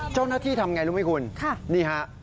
เจ้าหน้าที่ทำอย่างไรรู้ไหมคุณนี่ครับ